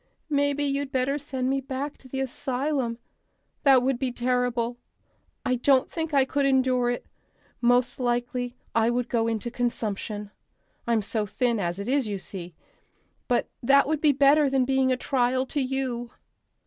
Maybe you'd better send me back to the asylum. That would be terrible; I don't think I could endure it; most likely I would go into consumption; I'm so thin as it is, you see. But that would be better than being a trial to you."